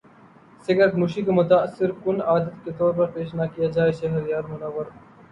cigarette نوشی کو متاثر کن عادت کے طور پر پیش نہ کیا جائے شہریار منور